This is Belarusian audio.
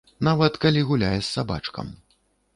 Нават, калі гуляе з сабачкам.